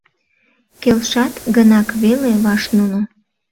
Келшат гынак веле ваш нуно